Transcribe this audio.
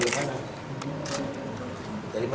dari krian jawa timur